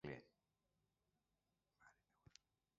Per Sant Jordi en Julià i na Lara iran a visitar mon oncle.